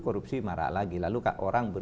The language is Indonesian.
korupsi marah lagi lalu orang